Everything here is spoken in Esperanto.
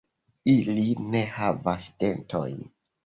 Ili ne havas dentojn.